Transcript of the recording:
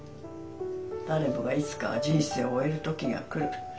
誰もがいつかは人生を終える時が来る。